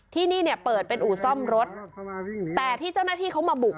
ที่นี่เนี่ยเปิดเป็นอู่ซ่อมรถแต่ที่เจ้าหน้าที่เขามาบุก